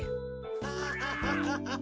ハハハハハ。